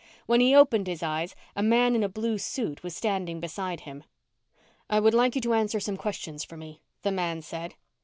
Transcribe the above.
When he opened his eyes a man in a blue suit was standing beside him. "I would like you to answer some questions for me," the man said.